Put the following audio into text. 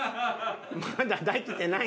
まだできてない。